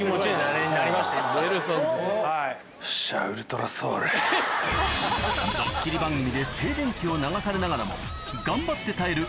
ドッキリ番組で静電気を流されながらも頑張って耐える